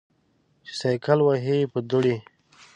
چې سایکل وهې په دوړې.